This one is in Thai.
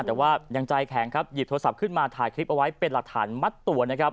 แต่ว่ายังใจแข็งครับหยิบโทรศัพท์ขึ้นมาถ่ายคลิปเอาไว้เป็นหลักฐานมัดตัวนะครับ